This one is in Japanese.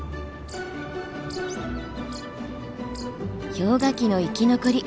氷河期の生き残り。